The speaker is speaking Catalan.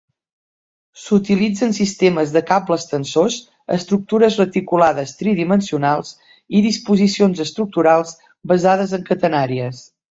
S'utilitzen sistemes de cables tensors, estructures reticulades tridimensionals, i disposicions estructurals basades en catenàries.